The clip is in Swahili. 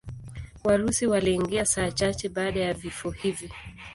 Warusi waliingia saa chache baada ya vifo hivi.